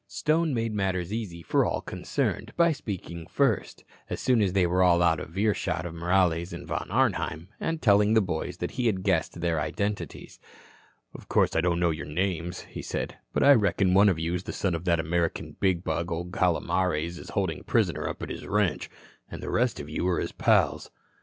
Stone made matters easy for all concerned by speaking first, as soon as they all were out of earshot of Morales and Von Arnheim, and telling the boys he had guessed their identities. "Of course, I don't know your names," he said, "but I reckon one of you is the son of that American bigbug old Calomares is holding prisoner up at his ranch. And the rest of you are his pals."